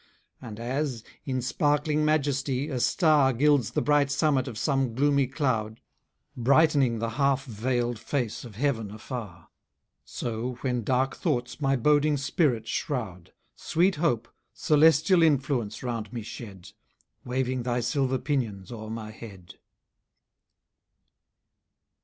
And as, in sparkling majesty, a star Gilds the bright summit of some gloomy cloud; Brightening the half veil'd face of heaven afar: So, when dark thoughts my boding spirit shroud, Sweet Hope, celestial influence round me shed, Waving thy silver pinions o'er my head.